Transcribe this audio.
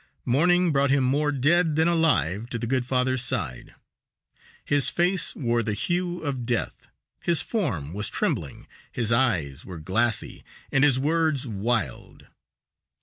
Morning brought him more dead than alive to the good father's side. His face wore the hue of death, his form was trembling, his eyes were glassy and his words wild.